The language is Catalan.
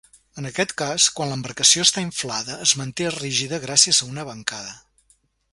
En aquest cas, quan l'embarcació està inflada es manté rígida gràcies a una bancada.